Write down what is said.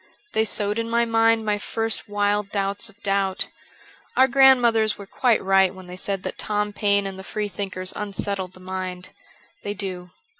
They sowed in my mind my first wild doubts of doubt. Our grandmothers were quite right when they said that Tom Paine and the Freethinkers unsettled the mind. They do.